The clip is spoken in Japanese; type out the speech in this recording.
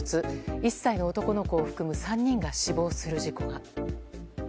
１歳の男の子を含む３人が死亡する事故が。